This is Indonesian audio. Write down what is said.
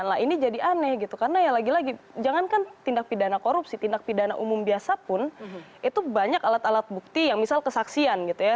nah ini jadi aneh gitu karena ya lagi lagi jangankan tindak pidana korupsi tindak pidana umum biasa pun itu banyak alat alat bukti yang misal kesaksian gitu ya